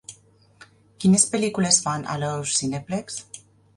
Quines pel·lícules fan a Loews Cineplex?